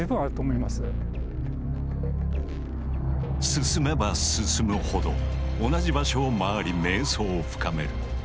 進めば進むほど同じ場所を回り迷走を深める。